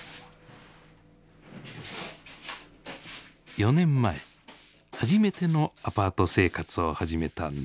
４年前初めてのアパート生活を始めたなべさんです。